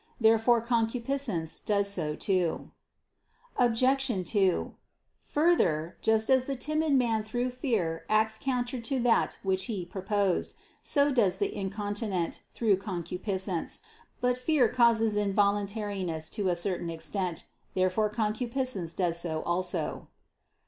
Therefore concupiscence does so too. Obj. 2: Further, just as the timid man through fear acts counter to that which he proposed, so does the incontinent, through concupiscence. But fear causes involuntariness to a certain extent. Therefore concupiscence does so also.